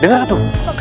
denger gak tuh